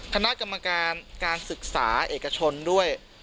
คณะกรรมการการศึกษาเอกชนด้วย